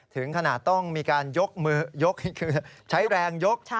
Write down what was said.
ถึงขนาดต้องมีการยกมือยกนี่คือใช้แรงยก